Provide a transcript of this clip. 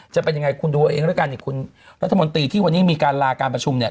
จะเป็นยังไงคุณดูเอาเองแล้วกันนี่คุณรัฐมนตรีที่วันนี้มีการลาการประชุมเนี่ย